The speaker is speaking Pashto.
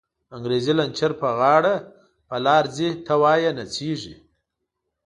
انگریزی لنچر په غاړه، په لار ځی ته وایی نڅیږی